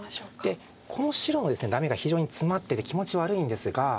でこの白のですねダメが非常にツマってて気持ち悪いんですが。